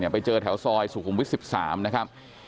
ไปเจอแถวซอยสุขุมวิทย์๑๓นะครับ